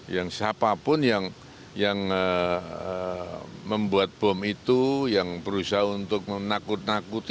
yang siapapun yang membuat bom itu yang berusaha untuk menakut nakuti